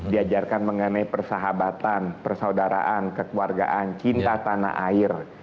diajarkan mengenai persahabatan persaudaraan kekeluargaan cinta tanah air